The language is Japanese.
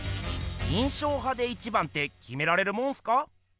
印象派で一番ってきめられるもんすか？